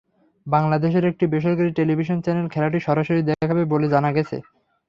বাংলাদেশের একটি বেসরকারি টেলিভিশন চ্যানেল খেলাটি সরাসরি দেখাবে বলে জানা গেছে।